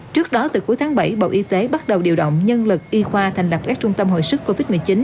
trước đó từ cuối tháng bảy bộ y tế bắt đầu điều động nhân lực y khoa thành lập các trung tâm hồi sức covid một mươi chín